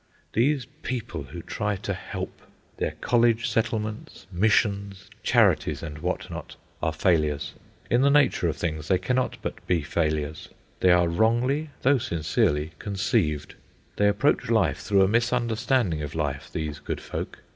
These people who try to help! Their college settlements, missions, charities, and what not, are failures. In the nature of things they cannot but be failures. They are wrongly, though sincerely, conceived. They approach life through a misunderstanding of life, these good folk.